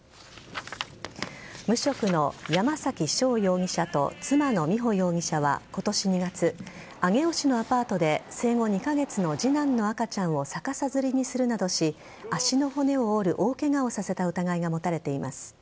無職の山崎翔容疑者と妻の美穂容疑者は今年２月上尾市のアパートで生後２カ月の次男の赤ちゃんを逆さづりにするなどし足の骨を折る大ケガをさせた疑いが持たれています。